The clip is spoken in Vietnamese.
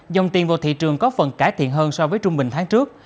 dòng tiền vào thị trường có phần cải thiện hơn so với trung bình tháng trước